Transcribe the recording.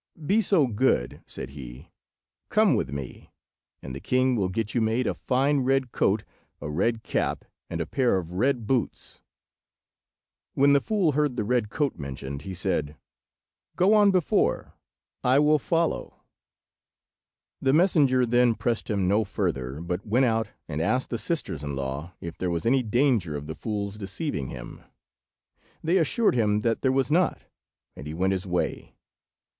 "Be so good," said he; "come with me, and the king will get you made a fine red coat, a red cap, and a pair of red boots." When the fool heard the red coat mentioned, he said— "Go on before, I will follow." The messenger then pressed him no further, but went out and asked the sisters in law if there was any danger of the fool's deceiving him. They assured him that there was not, and he went his way.